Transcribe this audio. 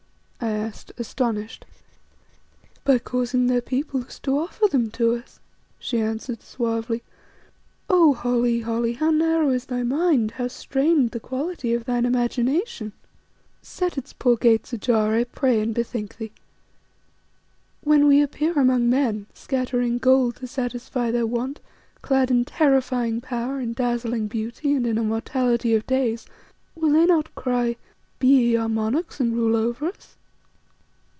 I asked, astonished. "By causing their peoples to offer them to us," she answered suavely. "Oh! Holly, Holly, how narrow is thy mind, how strained the quality of thine imagination! Set its poor gates ajar, I pray, and bethink thee. When we appear among men, scattering gold to satisfy their want, clad in terrifying power, in dazzling beauty and in immortality of days, will they not cry, 'Be ye our monarchs and rule over us!